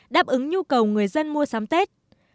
đáp ứng nhu cầu người dân mua sắm tết